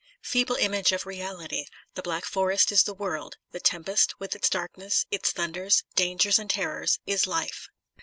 Feeble image of the reality! The Black Forest is the world ; the tempest, with its darkness, its thunders, dangers and terrors, is .life.